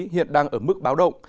hiện đang ở mức báo động